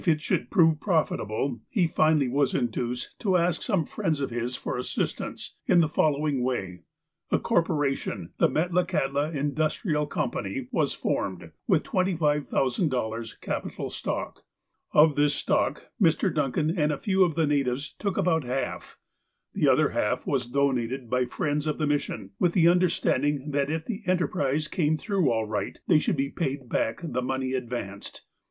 BL'ILDIXG AT .METLAKAHTLA SOME METLAKAHTLA HISTORY 317 should prove profitable, he finally was induced to ask some of his friends for assistance, in the following way : A corporation, '' The Metlakahtla Industrial Com pany," was formed, with $25,000 capital stock. Of this stock, Mr. Duncan and a few of the natives took about half. The other half was donated by friends of the mis sion, with the understanding that if the enterprise came through all right, they should be paid back the money advanced.